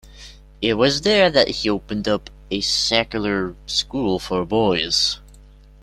It was there that he opened up a secular school for boys.